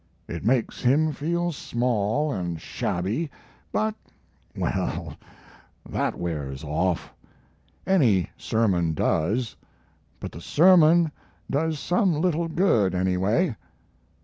It makes him feel small and shabby, but well, that wears off. Any sermon does; but the sermon does some little good, anyway.